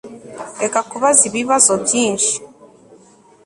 Reka kubaza ibibazo byinshi